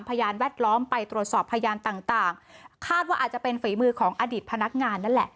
พยานแวดล้อมไปตรวจสอบพยานต่างต่างคาดว่าอาจจะเป็นฝีมือของอดีตพนักงานนั่นแหละ